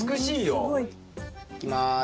いきます。